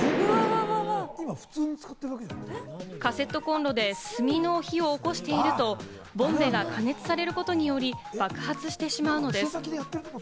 カセットコンロで炭の火を起こしていると、ボンベが加熱されることにより爆発してしまうのです。